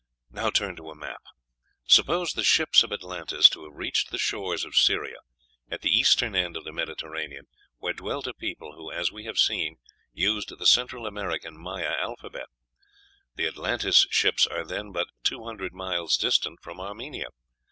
Now turn to a map: Suppose the ships of Atlantis to have reached the shores of Syria, at the eastern end of the Mediterranean, where dwelt a people who, as we have seen, used the Central American Maya alphabet; the Atlantis ships are then but two hundred miles distant from Armenia.